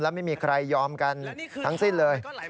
ไม่มีใครยอมกันทั้งสิ้นเลย